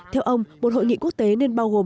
theo ông một hội nghị quốc tế nên bao gồm